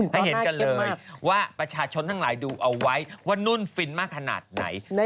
ให้เห็นกันเลยว่าประชาชนทั้งหลายดูเอาไว้ว่านุ่นฟินมากขนาดไหน